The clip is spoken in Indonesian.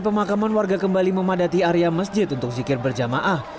pemakaman warga kembali memadati area masjid untuk zikir berjamaah